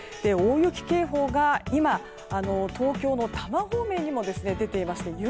大雪警報が今東京の多摩方面にも出ていまして